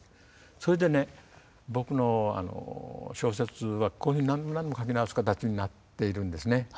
それでね僕の小説はこういうふうに何度も何度も書き直す形になっているんですね。